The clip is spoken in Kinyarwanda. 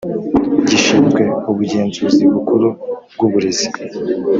gishinzwe ubugenzuzi bukuru bw uburezi